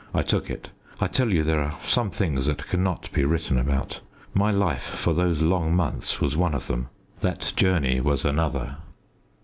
I took it. I tell you there are some things that cannot be written about. My life for those long months was one of them, that journey was another.